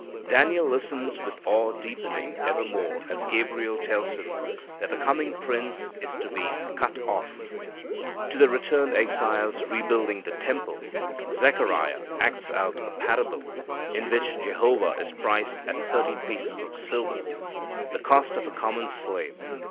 Daniel listens with awe deepening ever more as Gabriel tells him that the coming Prince is to be "cut off." To the returned exiles rebuilding the temple Zechariah acts out a parable in which Jehovah is priced at thirty pieces of silver, the cost of a common slave.